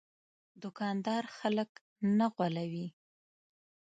دوکاندار خلک نه غولوي.